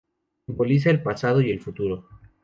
Simbolizan el pasado y el futuro.